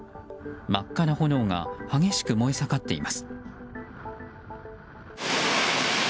真っ赤な炎が激しく燃え盛っています。